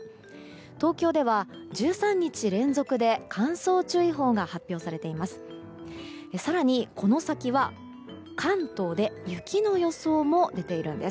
東京では、１３日連続で乾燥注意報が発表されています。